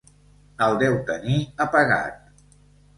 El deu tenir apagat.